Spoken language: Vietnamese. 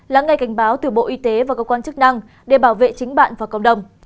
lắng nghe cảnh báo từ bộ y tế và cơ quan chức năng để bảo vệ chính bạn và cộng đồng